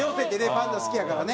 パンダ好きやからね。